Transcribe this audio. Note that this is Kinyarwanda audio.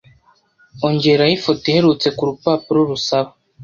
Ongeraho ifoto iherutse kurupapuro rusaba.